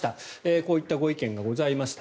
こういったご意見がございました。